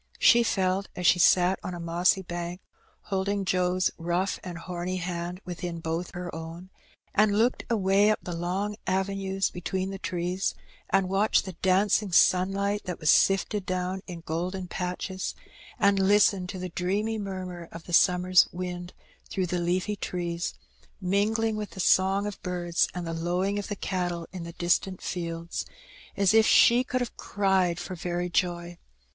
She felt as she sat on a mossy bank, holding Joe's rough and homy hand within both her own, and looked away up the long avenues between the trees, and watched the dancing sunlight that was sifted down in golden patches, and listened to the dreamy murmur of the summer's wind through the leafy trees, mingling with the song of birds and the lowing of the cattle in the distant fields, as if she could have cried for very joy.